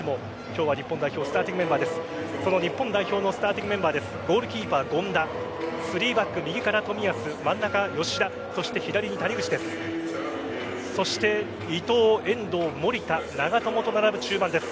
日本代表のスターティングメンバーゴールキーパー・権田３バック右から冨安、真ん中吉田左に谷口です。